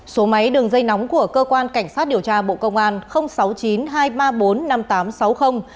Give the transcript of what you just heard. số máy đường dây nóng của cơ quan cảnh sát điều tra bộ công an